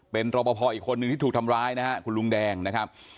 เป็นรอปภอีกคนนึงที่ถูกทำร้ายนะฮะคุณลุงแดงนะครับ